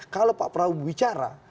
kalau pak prabowo bicara